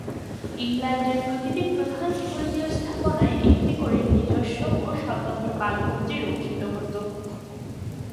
ইংল্যান্ডের প্রতিটি প্রধান ধর্মীয় স্থাপনায় একটি করে নিজস্ব ও স্বতন্ত্র কালপঞ্জি রক্ষিত হত।